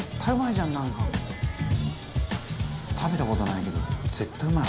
「食べた事ないけど絶対うまい」